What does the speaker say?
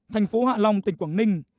thành phố hạ long tỉnh quảng ninh